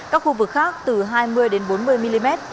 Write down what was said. các khu vực khác từ hai mươi bốn mươi mm